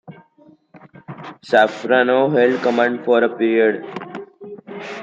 Shafranov held command for a period.